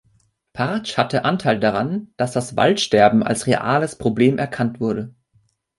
Partsch hatte Anteil daran, dass das Waldsterben als reales Problem erkannt wurde.